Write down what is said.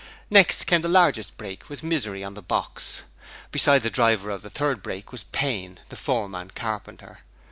Next came the largest brake with Misery on the box. Beside the driver of the third brake was Payne, the foreman carpenter.